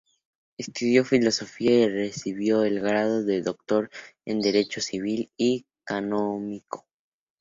Estudió Filosofía y recibió el grado de doctor en Derecho civil y canónico.